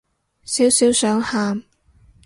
少少想喊